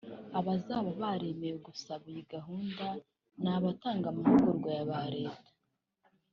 Abazaba bemerewe gusaba iyi gahunda ni abatanga amahugurwa ba Leta